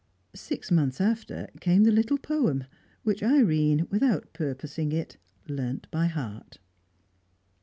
Six months after came the little poem, which Irene, without purposing it, learnt by heart.